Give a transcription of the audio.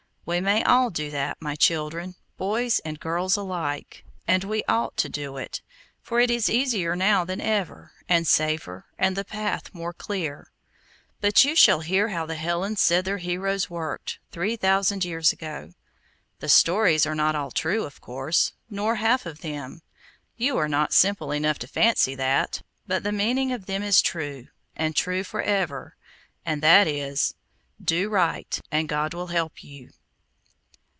We may all do that, my children, boys and girls alike; and we ought to do it, for it is easier now than ever, and safer, and the path more clear. But you shall hear how the Hellens said their heroes worked, three thousand years ago. The stories are not all true, of course, nor half of them; you are not simple enough to fancy that; but the meaning of them is true, and true for ever, and that is—Do right, and God will help you.